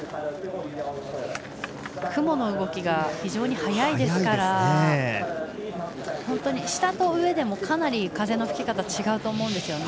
雲の動きが非常に速いですから下と上でかなり風の吹き方、違うと思います。